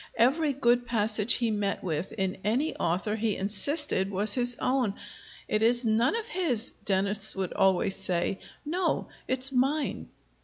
Every good passage he met with in any author he insisted was his own. "It is none of his," Dennis would always say: "no, it's mine!"